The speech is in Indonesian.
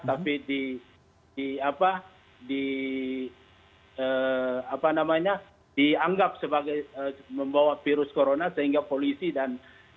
tapi dianggap sebagai membawa virus corona sehingga polisi dan